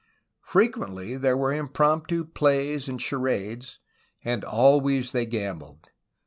Frequently there were impromptu plays and charades, and always they gambled.